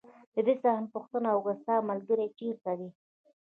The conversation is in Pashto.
د ده څخه مې پوښتنه وکړل: ستا ملګری چېرې دی؟